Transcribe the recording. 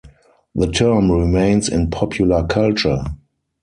The term remains in popular culture.